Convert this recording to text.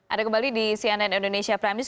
ada kembali di cnn indonesia prime news